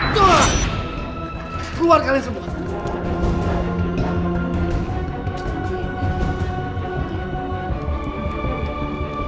keluar kalian semua